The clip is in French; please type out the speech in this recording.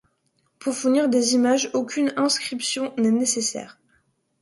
Pour fournir des images, aucune inscription n'est nécessaire.